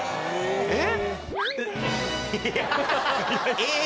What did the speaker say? えっ！